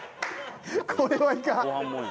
これはいかん！